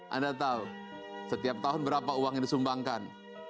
anda tahu setiap tahun berapa uang yang disumbangkan